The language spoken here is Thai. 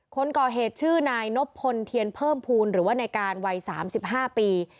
คนก่อเหตุชื่อนายนบพลเทียนเพิ่มภูมิหรือว่าในการวัย๓๕ปี